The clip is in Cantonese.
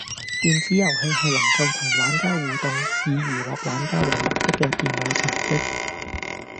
電子遊戲係能夠同玩家互動、以娛樂玩家為目的嘅電腦程式